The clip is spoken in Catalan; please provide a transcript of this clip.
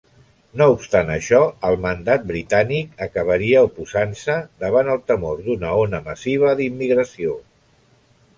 No obstant això, el mandat britànic acabaria oposant-se davant el temor d'una ona massiva d'immigració.